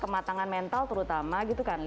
kematangan mental terutama gitu kan